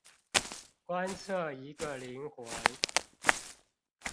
觀測一個靈魂